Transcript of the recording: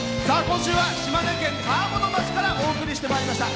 今週は島根県川本町からお送りしてまいりました。